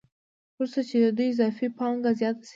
وروسته چې د دوی اضافي پانګه زیاته شي